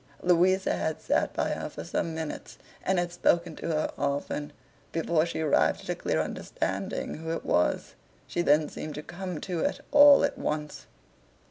Louisa had sat by her for some minutes, and had spoken to her often, before she arrived at a clear understanding who it was. She then seemed to come to it all at once.